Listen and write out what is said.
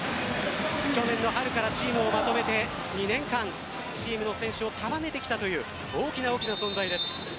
去年の春からチームをまとめて２年間、チームの選手を束ねてきたという大きな大きな存在です。